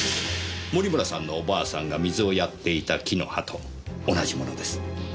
森村さんのおばあさんが水をやっていた木の葉と同じものです。